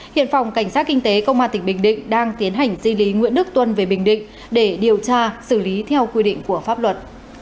hiện phòng cảnh sát kinh tế công an tỉnh bình định đang tiến hành di lý nguyễn đức tuân về bình định để điều tra xử lý theo quy định của pháp luật